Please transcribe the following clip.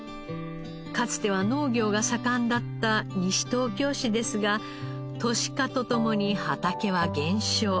かつては農業が盛んだった西東京市ですが都市化とともに畑は減少。